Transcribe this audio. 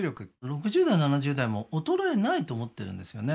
６０代７０代も衰えないと思ってるんですよね